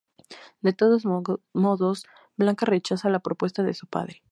De todos modos, Blanca rechaza la propuesta de su padre.